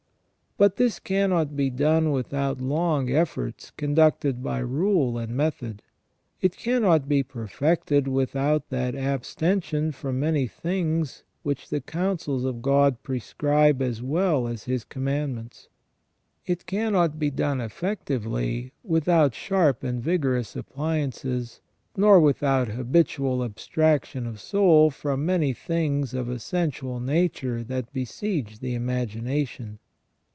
But this cannot be done . without long efforts conducted by rule and method; it cannot be per fected without that abstention from many things which the coun sels of God prescribe as well as His commandments ; it cannot be done effectually without sharp and vigorous appliances ; nor without 76 THE SECONDARY IMAGE OF GOD IN MAN. habitual abstraction of soul from many things of a sensual nature that besiege the imagination.